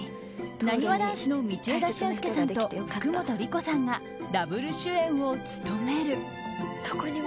なにわ男子の道枝駿佑さんと福本莉子さんがダブル主演を務める。